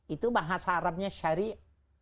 itu bahasa arabnya syari'